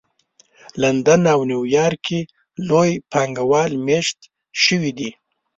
لندن او نیویارک کې لوی پانګه وال مېشت شوي دي